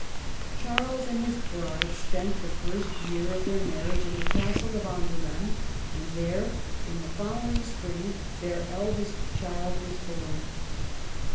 Charles and his bride spent the first year of 1 8 MARGARET OF ANGOUL^ME. their marriage in the Castle of Angouleme, and there, in the following spring, their eldest child was born.